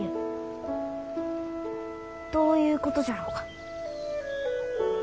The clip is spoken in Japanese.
どういうことじゃろうか？